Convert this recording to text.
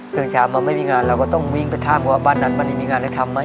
ถึงเช้ามันไม่มีงานเราก็ต้องวิ่งไปถามว่าบ้านนั้นมันมีงานได้ทำไหม